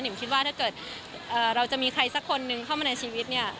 คิดว่าถ้าเกิดเราจะมีใครสักคนนึงเข้ามาในชีวิตเนี่ย